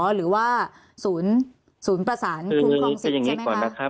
หรือว่าศูนย์ประสานคุ้มครองสิทธิ์ใช่ไหมคะ